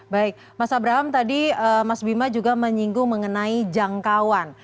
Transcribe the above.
baik mas abraham tadi mas bima juga menyinggung mengenai jangkauan